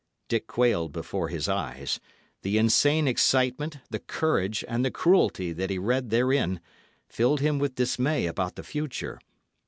Dick quailed before his eyes. The insane excitement, the courage, and the cruelty that he read therein filled him with dismay about the future.